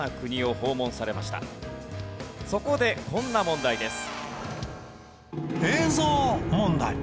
そこでこんな問題です。